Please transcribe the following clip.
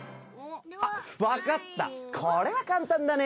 あっわかったこれは簡単だね。